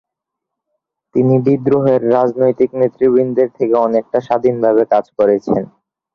তিনি বিদ্রোহের রাজনৈতিক নেতৃবৃন্দের থেকে অনেকটা স্বাধীনভাবে কাজ করেছেন।